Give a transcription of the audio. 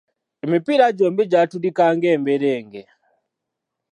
Emipiira gyombi gyatulika ng’emberenge.